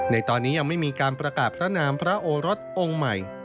ในตอนนี้ยังไม่มีการประกาศพระนามพระโอรสองค์ใหม่